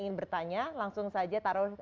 ingin bertanya langsung saja taruh